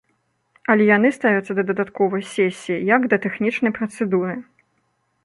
Але яны ставяцца да дадатковай сесіі як да тэхнічнай працэдуры.